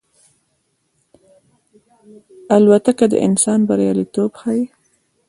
الوتکه د انسان بریالیتوب ښيي.